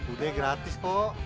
udah gratis kok